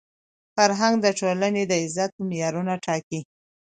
فرهنګ د ټولني د عزت معیارونه ټاکي.